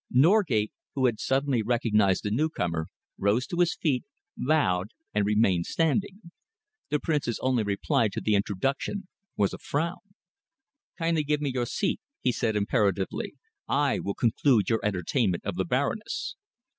Norgate, who had suddenly recognised the newcomer, rose to his feet, bowed and remained standing. The Prince's only reply to the introduction was a frown. "Kindly give me your seat," he said imperatively. "I will conclude your entertainment of the Baroness."